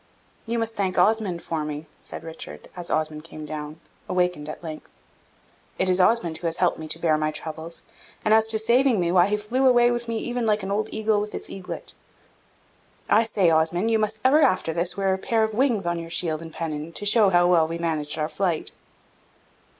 "You must thank Osmond for me," said Richard, as Osmond came down, awakened at length. "It is Osmond who has helped me to bear my troubles; and as to saving me, why he flew away with me even like an old eagle with its eaglet. I say, Osmond, you must ever after this wear a pair of wings on shield and pennon, to show how well we managed our flight."